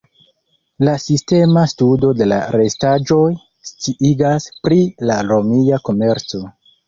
La sistema studo de la restaĵoj sciigas pri la romia komerco.